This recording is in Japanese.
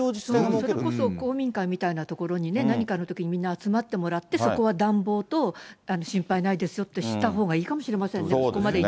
それこそ公民館みたいな所に何かのときにみんな集まってもらって、そこは暖房と心配ないですよって、知ったほうがいいかもしれないですね。